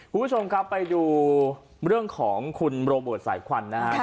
คุณผู้ชมครับไปดูเรื่องของคุณโรเบิร์ตสายควันนะครับ